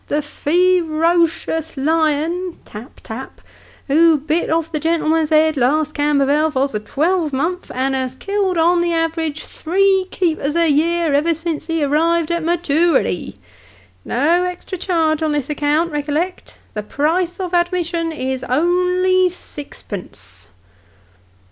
The fe ro cious lion (tap, tap) who bit off the gentleman's head last Cambervel vos a twelvemonth, and has killed on the awerage three keepers a year ever since he arrived at matoority. No extra charge on this account recollect ; the price of admission is only sixpence."